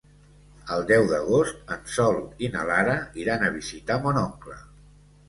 El deu d'agost en Sol i na Lara iran a visitar mon oncle.